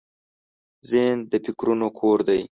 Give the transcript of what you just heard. ذهن د فکرونو کور دی.